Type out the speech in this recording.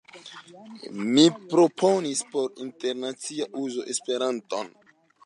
Mi proponis por internacia uzo Esperanton.